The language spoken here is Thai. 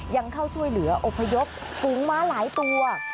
ยังเข้าช่วยเหลืออพยพฝูงม้าหลายตัว